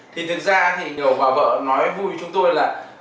thì thực ra thì nhiều bà vợ nói vui chúng tôi là